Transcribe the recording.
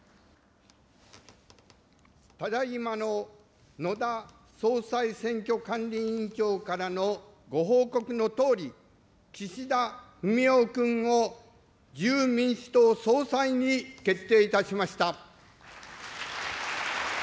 ただいまの野田選挙管理委員長からのご報告のとおり、岸田文雄君を自由民主党総裁に決定いたしました。